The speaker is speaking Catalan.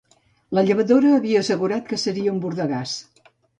La llevadora havia assegurat que seria un bordegàs